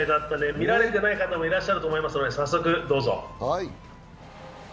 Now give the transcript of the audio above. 見られていない方もいらっしゃると思うので早速、どうぞ。